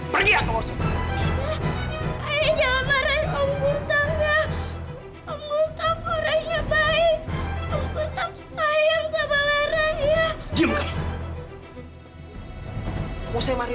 padahal gak punya musuh sama sekali